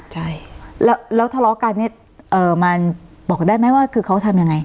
ใช่แล้วทะเลาะกันเนี่ยมันบอกได้ไหมว่าคือเขาทำยังไง